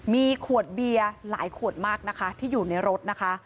มีขวดเบียร์หลายขวดมากนะคะที่อยู่ในรถนะคะ